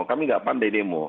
kami nggak pandai demo